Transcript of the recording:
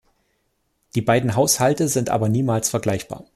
Die beiden Haushalte sind aber niemals vergleichbar.